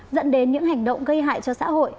dẫn đến những hành động gây hại cho xã hội